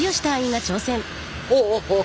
おお！